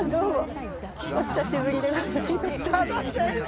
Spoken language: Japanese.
多田先生！